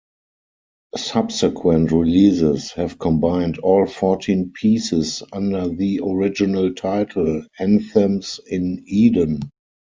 Subsequent releases have combined all fourteen pieces under the original title, "Anthems in Eden".